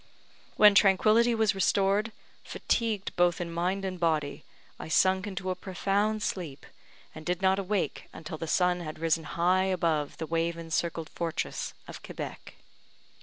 When tranquillity was restored, fatigued both in mind and body, I sunk into a profound sleep, and did not awake until the sun had risen high above the wave encircled fortress of Quebec.